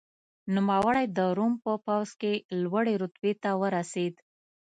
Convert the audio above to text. نوموړی د روم په پوځ کې لوړې رتبې ته ورسېد.